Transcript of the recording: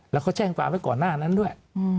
แล้วเค้าแช่งฟังไว้ก่อนหน้านั้นด้วย